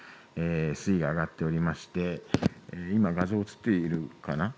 水位が上がっておりまして今、画像写っているかな。